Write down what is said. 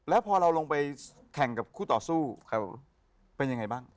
แล้วพอเราลงไปแข่งกับคู่ต่อสู้เป็นยังไงบ้าง